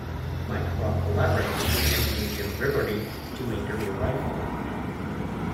Mike Rock collaborated with engineer Jim Ribordy to make the new rifle.